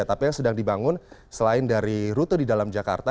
tapi yang sedang dibangun selain dari rute di dalam jakarta